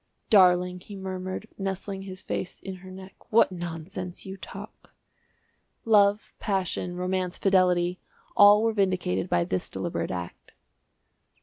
"Darling," he murmured, nestling his face in her neck, "what nonsense you talk." Love, passion, romance, fidelity all were vindicated by this deliberate act.